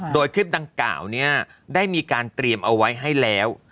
โดยคลิปดังกล่าวนี้ได้มีการเตรียมเอาไว้ให้แล้ว